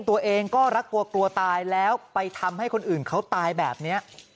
ตัวเองก็รักกลัวกลัวตายแล้วไปทำให้คนอื่นเขาตายแบบนี้